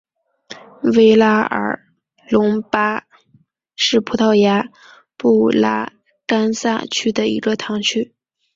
维拉尔德隆巴是葡萄牙布拉干萨区的一个堂区。